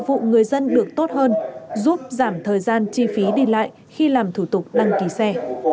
vụ người dân được tốt hơn giúp giảm thời gian chi phí đi lại khi làm thủ tục đăng ký xe